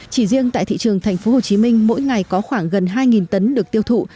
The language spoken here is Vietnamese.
chỉ riêng tại thị trường thành phố hồ chí minh mỗi ngày có khoảng gần hai tấn được tiêu thụ